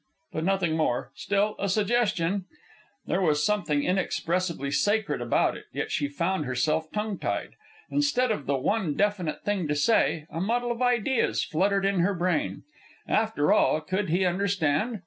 But nothing more. Still, a suggestion ..." There was something inexpressibly sacred about it, yet she found herself tongue tied. Instead of the one definite thing to say, a muddle of ideas fluttered in her brain. After all, could he understand?